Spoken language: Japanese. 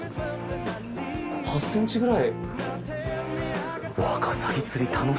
８センチくらい。